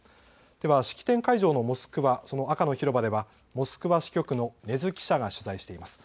では式典会場のモスクワ、赤の広場ではモスクワ支局の禰津記者が取材しています。